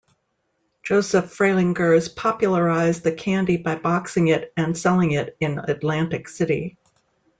Joseph Fralinger popularized the candy by boxing it and selling it in Atlantic City.